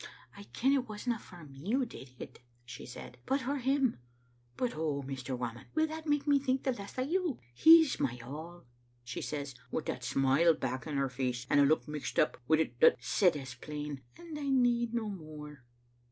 " 'I ken it wasna for me you did it,' she said, *but for him ; but, oh, Mr. Whamond, will that make me think the less o' you? He's my all,' she says, wi' that smile back in her face, and a look mixed up wi't that said as plain, 'and I need no more.'